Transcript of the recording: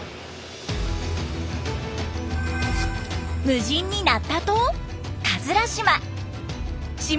無人になった島島。